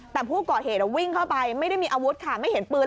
แต่ผู้ก่อเหตุวิ่งเข้าไปไม่ได้มีอาวุธค่ะไม่เห็นปืน